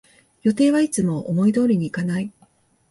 予定はいつも思い通りにいかない